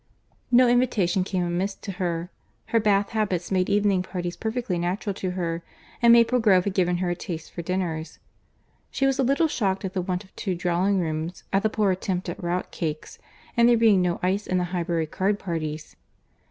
No invitation came amiss to her. Her Bath habits made evening parties perfectly natural to her, and Maple Grove had given her a taste for dinners. She was a little shocked at the want of two drawing rooms, at the poor attempt at rout cakes, and there being no ice in the Highbury card parties.